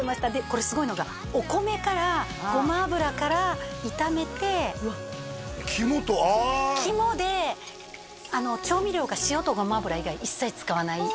これすごいのがお米からごま油から炒めてうわっ肝とああ肝で調味料が塩とごま油以外一切使わないお粥の作り方